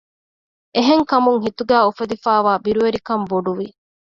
އެހެންކަމުން ހިތުގައި އުފެދިފައިވާ ބިރުވެރިކަން ބޮޑުވި